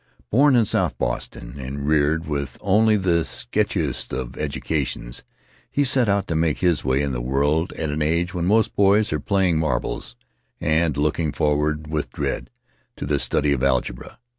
Born in South Boston and reared with only the sketchiest of educations, he set out to make his way in the world at an age when most boys are playing marbles and looking forward with dread to the study of algebra.